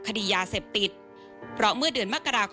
ไม่ได้ตั้งใจ